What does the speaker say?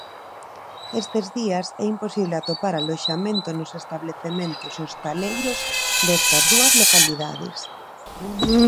Estes días é imposible atopar aloxamento nos establecementos hostaleiros destas dúas localidades.